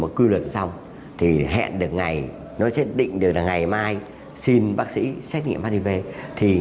một cư luật xong thì hẹn được ngày nó sẽ định được là ngày mai xin bác sĩ xét nghiệm hiv thì